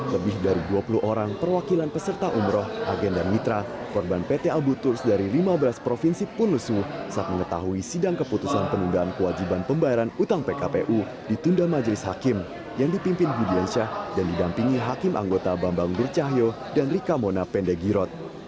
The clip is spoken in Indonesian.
lebih dari dua puluh orang perwakilan peserta umroh agen dan mitra korban pt abu turs dari lima belas provinsi pun lesu saat mengetahui sidang keputusan penundaan kewajiban pembayaran utang pkpu ditunda majelis hakim yang dipimpin budiansyah dan didampingi hakim anggota bambang nur cahyo dan rika mona pendegirot